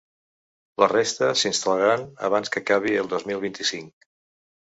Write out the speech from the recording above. La resta s’instal·laran abans que acabi el dos mil vint-i-cinc.